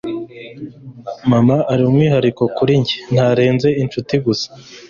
mama ari umwihariko kuri njye, ntarenze inshuti gusa